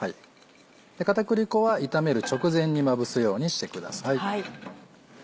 片栗粉は炒める直前にまぶすようにしてください。